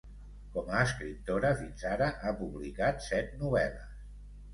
Com a escriptora, fins ara ha publicat set novel·les.